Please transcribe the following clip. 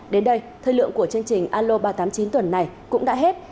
đến đây thời lượng của chương trình alo ba trăm tám mươi chín tuần này cũng đã hết